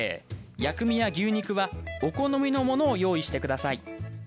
薬味や牛肉はお好みのものを用意してください。